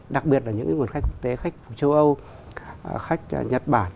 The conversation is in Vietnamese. đặc biệt là những nguồn khách quốc tế khách châu âu khách nhật bản